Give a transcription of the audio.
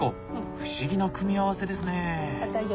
不思議な組み合わせですね。